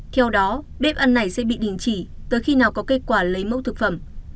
theo đó bếp ăn này sẽ bị đình chỉ tới khi nào có kết quả lấy mẫu thực phẩm